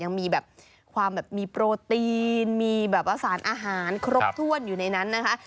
ยังมีแบบความแบบมีโปรตีนมีแบบอาหารครบถ้วนอยู่ในนั้นนะคะ